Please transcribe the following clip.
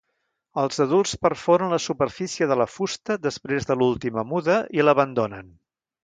Els adults perforen la superfície de la fusta després de l'última muda i l'abandonen.